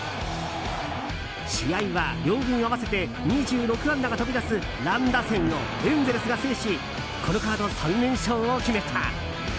試合は両軍合わせて２６安打が飛び出す乱打戦をエンゼルスが制しこのカード３連勝を決めた。